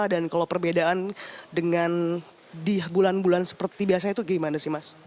dan kalau perbedaan dengan di bulan bulan seperti biasanya itu gimana sih mas